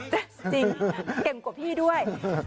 จริงเก่งกว่าพี่ด้วย